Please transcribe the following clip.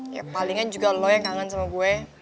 ya palingan juga lo yang kangen sama gue